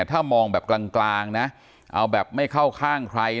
ถ้ามองแบบกลางนะเอาแบบไม่เข้าข้างใคร